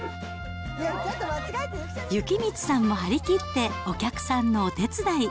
幸光さんも張り切って、お客さんのお手伝い。